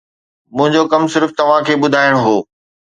منهنجو ڪم صرف توهان کي ٻڌائڻ هو